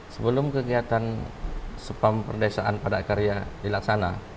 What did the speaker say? sebelum kegiatan spam perdesaan padat karya dilaksana